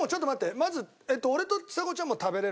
まず。